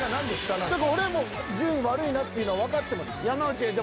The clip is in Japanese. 俺も順位悪いなっていうのはわかってます。